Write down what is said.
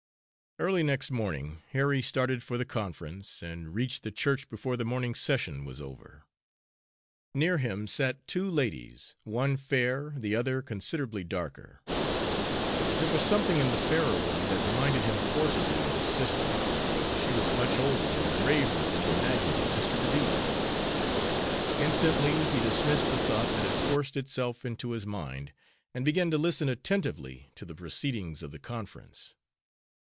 Early next morning Harry started for the conference, and reached the church before the morning session was over. Near him sat two ladies, one fair, the other considerably darker. There was something in the fairer one that reminded him forcibly of his sister, but she was much older and graver than he imagined his sister to be. Instantly he dismissed the thought that had forced itself into his mind, and began to listen attentively to the proceedings of the conference.